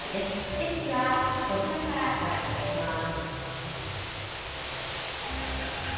レシピはこちらからご覧いただけます。